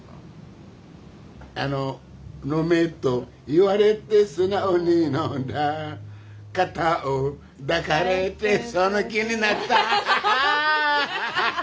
「飲めと言われて素直に飲んだ肩を抱かれてその気になった」ハハーッ！